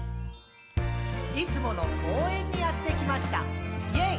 「いつもの公園にやってきました！イェイ！」